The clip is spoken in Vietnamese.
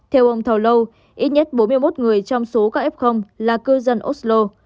theo ông thalau ít nhất bốn mươi một người trong số ca f là cư dân oslo